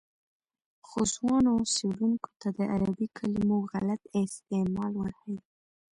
خو ځوانو څېړونکو ته د عربي کلمو غلط استعمال ورښيي.